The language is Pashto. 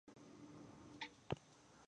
داور پر پاڼو باندي ،